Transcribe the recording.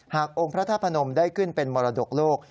องค์พระธาตุพนมได้ขึ้นเป็นมรดกโลก